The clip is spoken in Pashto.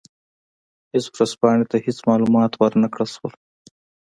هېڅ ورځپاڼې ته هېڅ معلومات ور نه کړل شول.